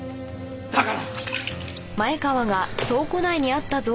だから。